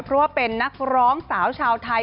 เพราะว่าเป็นนักร้องสาวชาวไทย